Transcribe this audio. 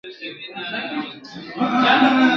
حیا به تللې شرم به هېر وي !.